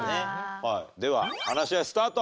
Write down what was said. では話し合いスタート。